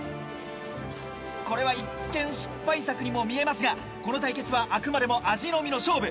これは一見失敗作にも見えますがこの対決はあくまでも味のみの勝負。